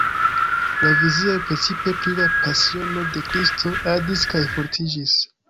La vizioj, precipe pri la Pasiono de Kristo, adis kaj fortiĝis.